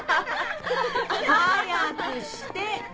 早くして！